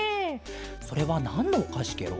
それはなんのおかしケロ？